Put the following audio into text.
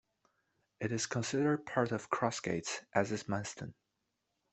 It is considered part of Cross Gates, as is Manston.